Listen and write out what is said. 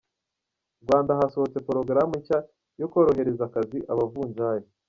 Rwanda Hasohotse porogaramu nshya yo korohereza akazi abavunjayi